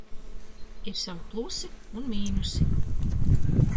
Ir savi plusi un mīnusi.